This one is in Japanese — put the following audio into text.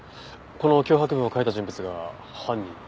この脅迫文を書いた人物が犯人？